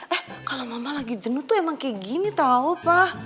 ah kalau mama lagi jenuh tuh emang kayak gini tau pak